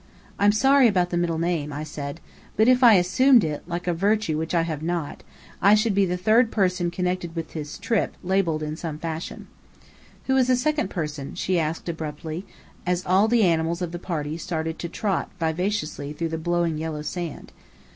"I'm sorry about the middle name," I said. "But if I assumed it like a virtue which I have not I should be the third person connected with this trip, labelled the same fashion." "Who is the second person?" she asked abruptly, as all the animals of the party started to trot vivaciously through the blowing yellow sand.